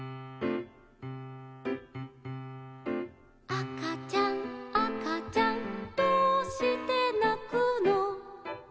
「あかちゃんあかちゃんどうしてなくの」